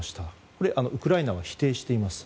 これはウクライナは否定しています。